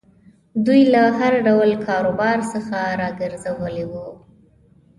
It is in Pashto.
دوی له هر ډول کاروبار څخه را ګرځولي وو.